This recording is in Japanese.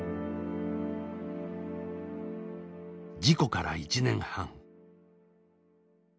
事故から１年半。